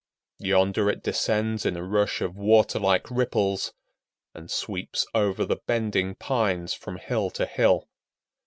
Yonder it descends in a rush of water like ripples, and sweeps over the bending pines from hill to hill.